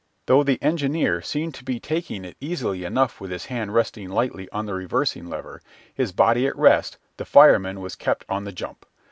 Though the engineer seemed to be taking it easily enough with his hand resting lightly on the reversing lever, his body at rest, the fireman was kept on the jump.